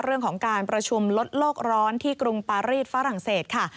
เรื่องของการประชุมลดโลกร้อนที่กรุงปารีสฝรั่งเศสค่ะ